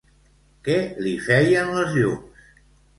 Què li feien les llums?